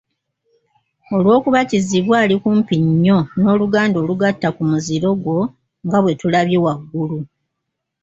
Olw’okuba Kizibwe ali kumpi nnyo n’oluganda olugatta ku muziro gwo nga bwe tulabye waggulu,